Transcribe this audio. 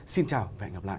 xin chào và hẹn gặp lại